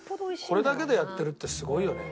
これだけでやってるってすごいよね。